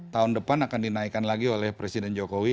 tahun depan akan dinaikkan lagi oleh presiden jokowi